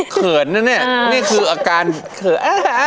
เผื่อนน่ะเนี่ยนี่คืออาการเผื่อ